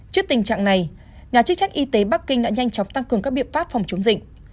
trước tình trạng này nhà chức trách y tế bắc kinh đã nhanh chóng tăng cường các biện pháp phòng chống dịch